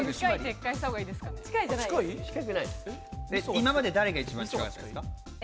今まで誰が一番近かったですか？